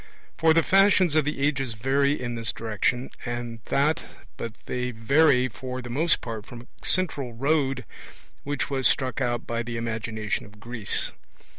For the fashions of the ages vary in this direction and that, but they vary for the most part from a central road which was struck out by the imagination of Greece.